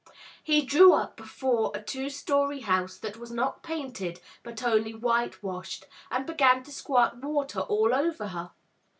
He drew up before a two story house that was not painted, but only whitewashed, and began to squirt water all over her.